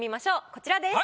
こちらです。